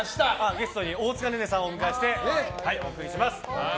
ゲストに大塚寧々さんをお迎えしてお送りします。